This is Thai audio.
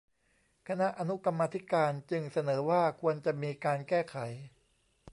คณะอนุกรรมาธิการจึงเสนอว่าควรจะมีการแก้ไข